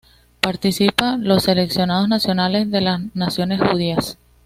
Participa los seleccionados nacionales de las naciones judías.